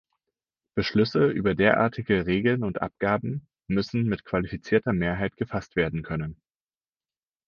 Beschlüsse über derartige Regeln und Abgaben müssen mit qualifizierter Mehrheit gefasst werden können.